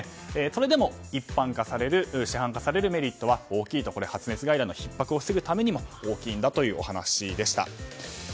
それでも一般化される市販化されるメリットは発熱外来のひっ迫を防ぐためにも大きいんだというお話でした。